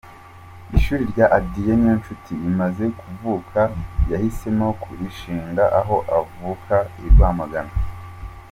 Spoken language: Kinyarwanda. Ishuri rya Adrien Niyonshuti rimaze kuvuka yahisemo kurishinga aho avuka i Rwamagana.